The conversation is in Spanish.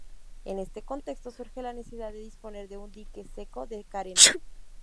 En este contexto surge la necesidad de disponer de un dique seco de carena.